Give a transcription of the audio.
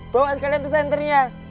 bawa sekalian tuh centernya